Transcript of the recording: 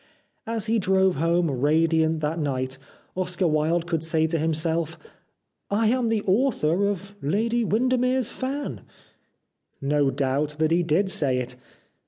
As he drove home radiant that night Oscar Wilde could say to himself : "I am the author of * Lady Windermere's Fan.' " No doubt that he did say it.